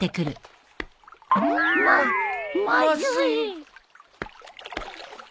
まっまずい